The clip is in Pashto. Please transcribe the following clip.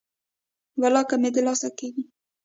ولاکه مې د لاسه کیږي.